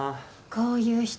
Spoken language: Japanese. こういう人。